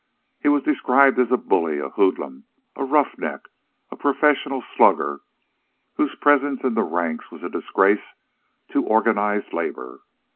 He was described as a bully, a hoodlum, a rough neck, a professional slugger whose presence in the ranks was a disgrace to organized labor.